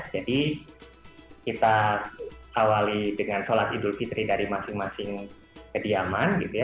jadi kita awali dengan sholat idul fitri dari masing masing kediaman gitu ya